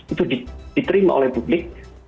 itu diterima oleh publik